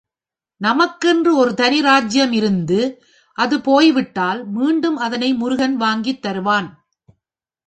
நமக்கு என்று ஒரு தனி ராஜ்யம் இருந்து, அது போய்விட்டால் மீட்டும் அதனை முருகன் வாங்கித் தருவான்.